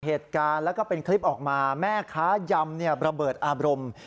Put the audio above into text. เหตุการณ์แล้วก็เป็นคลิปออกมาแม่ค้ายำระเบิดอารมณ์